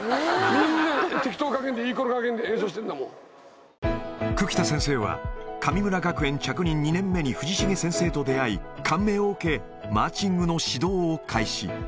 みんな適当加減で、いいころ加減久木田先生は、神村学園着任２年目に藤重先生と出会い、感銘を受け、マーチングの指導を開始。